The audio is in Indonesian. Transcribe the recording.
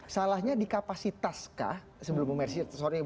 salahnya di kapasitas kah sebelum bumersi